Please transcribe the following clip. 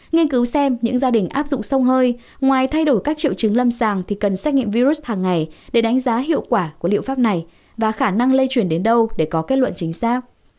nghiên cứu xem những gia đình áp dụng sông hơi ngoài thay đổi các triệu chứng lâm sàng thì cần xét nghiệm virus hàng ngày để đánh giá hiệu quả của liệu pháp này và khả năng lây chuyển đến đâu để có kết luận chính xác